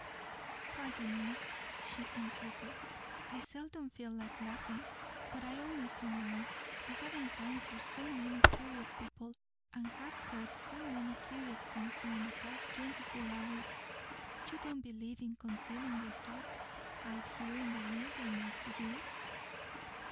"Pardon me," she entreated. "I seldom feel like laughing, but I almost do now. I have encountered so many curious people and have heard so many curious things during the past twenty four hours. You don't believe in concealing your thoughts out here in the wilderness, do you?"